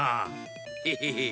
ヘヘヘッ。